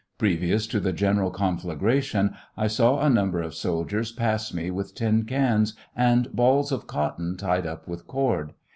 Previous to the general conflagration, I saw a number of soldiers pass me with tin cans and balls of cotton tied up with cord.